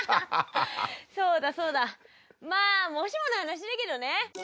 そうだそうだまあもしもの話だけどね！